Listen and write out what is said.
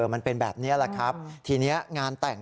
มันเป็นแบบนี้แหละครับทีนี้งานแต่ง